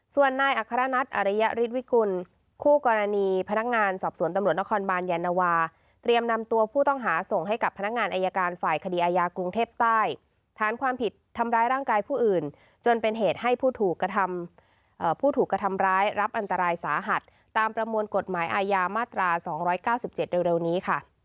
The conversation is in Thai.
ส่วนนายอัครนัทอริยฤทธิวิกุลคู่กรณีพนักงานสอบสวนตำรวจนครบานยานวาเตรียมนำตัวผู้ต้องหาส่งให้กับพนักงานอายการฝ่ายคดีอายากรุงเทพใต้ฐานความผิดทำร้ายร่างกายผู้อื่นจนเป็นเหตุให้ผู้ถูกกระทำผู้ถูกกระทำร้ายรับอันตรายสาหัสตามประมวลกฎหมายอาญามาตรา๒๙๗เร็วนี้ค่ะ